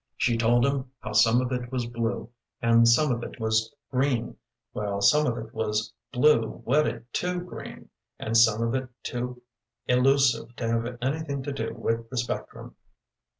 She told him how some of it was blue and some of it was green, while some of it was blue wedded to green, and some of it too elusive to have anything to do with the spectrum.